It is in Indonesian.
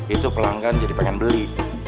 itu pelanggan jadi pengen beli